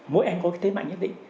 mỗi em có cái thế mạnh nhất định